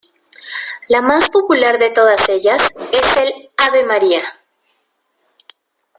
La más popular de todas ellas es el "Ave María".